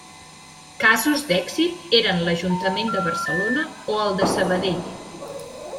Casos d'èxit eren l'Ajuntament de Barcelona o el de Sabadell.